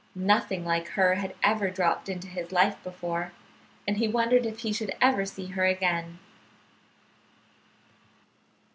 Nothing like her had ever dropped into his life before, and he wondered if he should ever see her again.